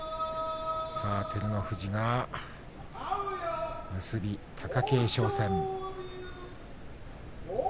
照ノ富士が結び貴景勝戦。